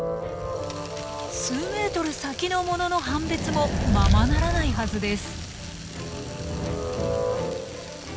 数メートル先の物の判別もままならないはずです。